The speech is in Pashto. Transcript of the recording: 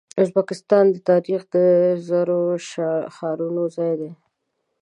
ازبکستان د تاریخ د زرو ښارونو ځای دی.